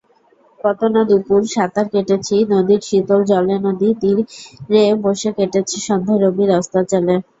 কত-না দুপুর সাঁতার কেটেছি নদীর শীতল জলেনদী তীরে বসে কেটেছে সন্ধ্যা রবির অস্তাচলে।